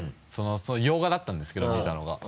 洋画だったんですけど見たのが。